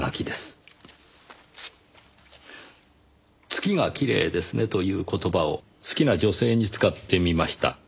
「月がきれいですね」という言葉を好きな女性に使ってみました。